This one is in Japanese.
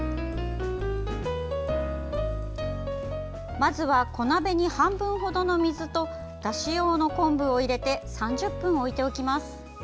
まずは、小鍋に半分ほどの水とだし用の昆布を入れて３０分置いておきます。